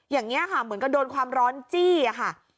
อย่างนี้ค่ะเหมือนกับโดนความร้อนจี้อะค่ะ